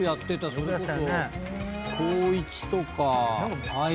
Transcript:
それこそ。